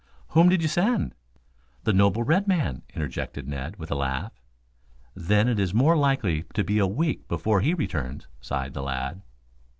"Whom did you send?" "The noble red man," interjected Ned, with a laugh. "Then, it is more likely to be a week before he returns," sighed the lad.